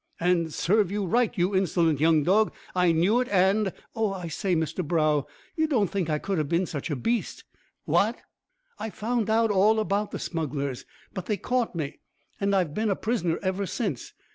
"And serve you right, you insolent young dog. I knew it, and " "Oh, I say, Mr Brough, you don't think I could have been such a beast." "What?" "I found out all about the smugglers, but they caught me, and I've been a prisoner ever since.